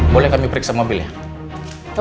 boleh kami periksa mobilnya